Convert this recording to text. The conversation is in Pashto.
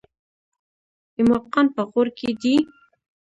ایماقان په غور کې دي؟